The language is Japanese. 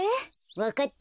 わかった。